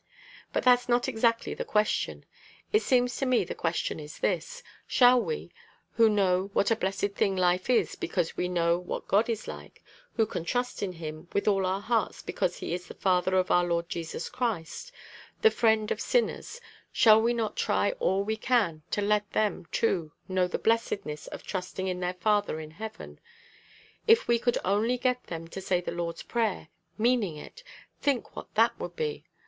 But that's not exactly the question. It seems to me the question is this: shall we, who know what a blessed thing life is because we know what God is like, who can trust in him with all our hearts because he is the Father of our Lord Jesus Christ, the friend of sinners, shall we not try all we can to let them, too, know the blessedness of trusting in their Father in heaven? If we could only get them to say the Lord's prayer, meaning it, think what that would be!